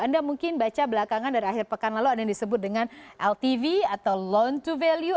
anda mungkin baca belakangan dari akhir pekan lalu ada yang disebut dengan ltv atau loan to value